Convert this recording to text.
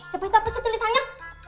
coba itu apa sih tulisannya